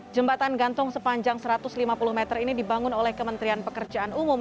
jembatan gantung sepanjang satu ratus lima puluh meter ini dibangun oleh kementerian pekerjaan umum